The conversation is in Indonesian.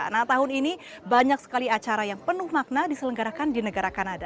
nah tahun ini banyak sekali acara yang penuh makna diselenggarakan di negara kanada